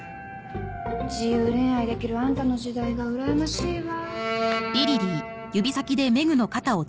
自由恋愛できるあんたの時代が羨ましいわ。